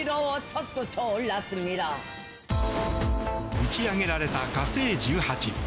打ち上げられた火星１８。